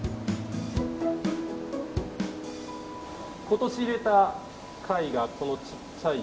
今年入れた貝がこのちっちゃいやつ。